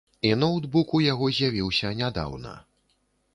І ноўтбук у яго з'явіўся нядаўна.